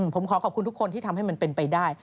ผมขอขอบคุณทุกคนที่ทำให้มันเป็นไปได้